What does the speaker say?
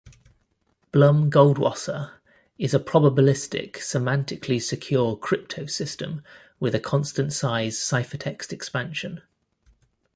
Blum-Goldwasser is a probabilistic, semantically secure cryptosystem with a constant-size ciphertext expansion.